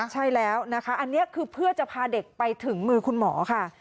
ใช่แล้วนะคะอันนี้คือเพื่อจะพาเด็กไปถึงมือคุณหมอค่ะ